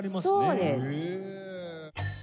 そうです。